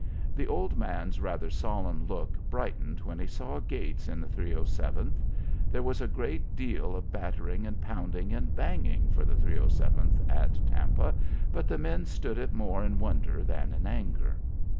The old man's rather solemn look brightened when he saw Gates in the 307th. There was a great deal of battering and pounding and banging for the 307th at Tampa, but the men stood it more in wonder than in anger.